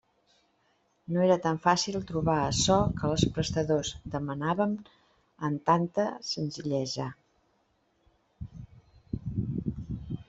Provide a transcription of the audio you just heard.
No era tan fàcil trobar açò que els prestadors demanaven amb tanta senzillesa.